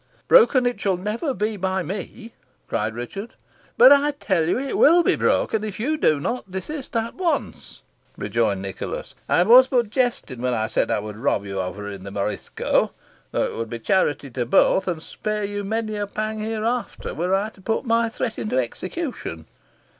"Broken it shall never be by me!" cried Richard. "But I tell you it will be broken, if you do not desist at once," rejoined Nicholas. "I was but jesting when I said I would rob you of her in the Morisco, though it would be charity to both, and spare you many a pang hereafter, were I to put my threat into execution.